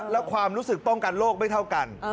แล้วความรู้สึกป้องกันโลกไม่เท่ากัน